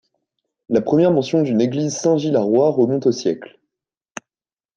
La première mention d'une église Saint-Gilles à Roye remonte au siècle.